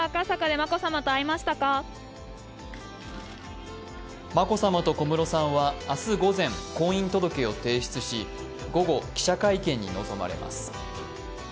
眞子さまと小室さんは明日午前、婚姻届を提出し午後、記者会見に臨まれます。